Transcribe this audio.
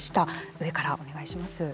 上からお願いします。